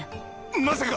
まさか！